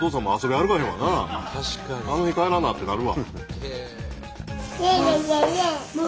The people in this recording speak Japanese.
あの日帰らなってなるわ。